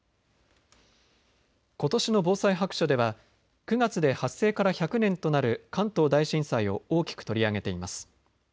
ことしの防災白書では９月で発生から１００年となる関東大震災を大きく取り上げています。